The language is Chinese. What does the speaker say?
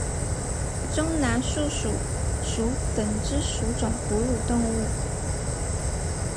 中南树鼠属等之数种哺乳动物。